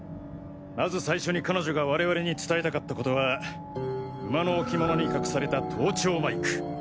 まず最初に彼女が我々に伝えたかったことは馬の置物に隠された盗聴マイク。